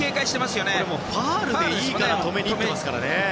これ、ファウルでいいから止めに行ってますからね。